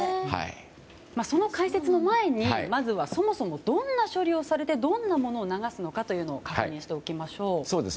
その解説の前に、まずはそもそもどんな処理をされてどんなものを流すのかを確認しておきましょう。